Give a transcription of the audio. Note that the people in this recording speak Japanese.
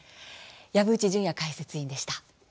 籔内潤也解説委員でした。